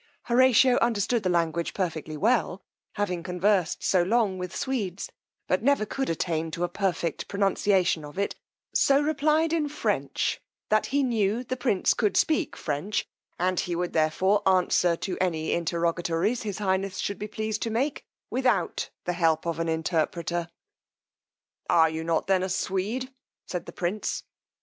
Horatio understood the language perfectly well, having conversed so long with Swedes, but never could attain to a perfect pronounciation of it, so replied in French, that he knew the prince could speak French, and he would therefore answer to any interrogatories his highness should be pleased to make without the help of an interpreter. Are you not then a Swede? said the prince.